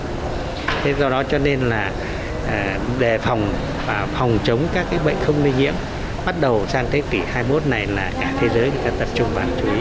thế do đó cho nên là đề phòng và phòng chống các bệnh không lây nhiễm bắt đầu sang thế kỷ hai mươi một này là cả thế giới tập trung và chú ý